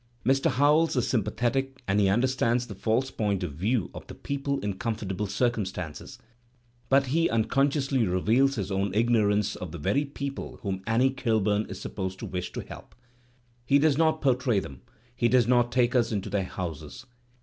Mr. Howells is sympathetic and he understands the false point of view of the people in com fortable circumstances. But he unconsciously reveals his Digitized by Google HOWELLS 289 own ignorance of the very people whom Annie Eilburn is supposed to wish to help. He does not portray them; he does not take us into their houses.